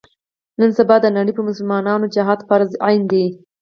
نن سبا د نړۍ په مسلمانانو جهاد فرض عین دی.